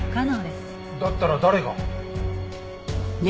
だったら誰が？